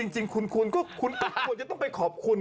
จริงคุณควรจะต้องไปขอบคุณ